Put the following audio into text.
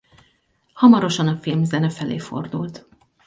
Hamarosan a filmzene felé fordult.